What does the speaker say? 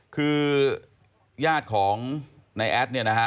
คือญาติของนายแอดเนี่ยนะฮะ